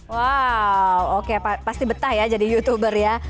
wow oke pasti betah ya jadi youtuber ya